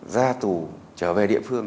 ra tù trở về địa phương